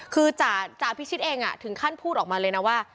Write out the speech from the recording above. คือจ่าพิชิตเองถึงขั้นพูดออกมาเลยนะว่า